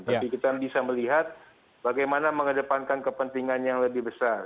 tapi kita bisa melihat bagaimana mengedepankan kepentingan yang lebih besar